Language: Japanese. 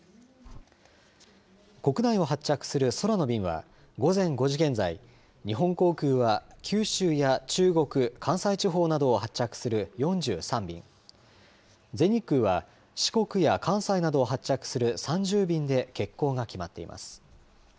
国内を発着する空の便は午前５時現在日本航空は九州や中国関西地方などを発着する４３便全日空は四国や関西などを発着する３０便で欠航が決まっています。